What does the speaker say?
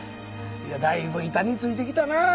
だいぶ板についてきたなぁ。